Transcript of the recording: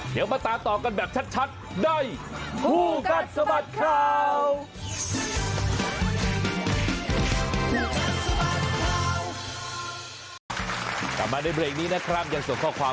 เดี๋ยวมาตาต่อกันแบบชัดได้ผู้กัดสมัดข่าว